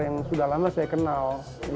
yang sudah lama saya kenal